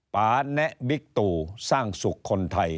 ปาแนะบิ๊กตู่สร้างสุขคนไทย